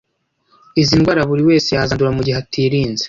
Izi ndwara buri wese yazandura mu gihe atirinze